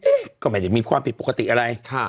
ก็ไม่ได้มีความผิดปกติอะไร